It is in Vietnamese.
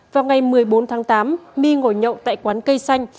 vào ngày một mươi bốn tháng tám my ngồi nhậu tại quán kcm